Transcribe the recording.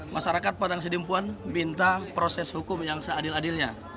masyarakat padang sidimpuan minta proses hukum yang seadil adilnya